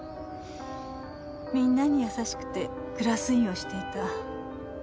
みんなに優しくてクラス委員をしていた。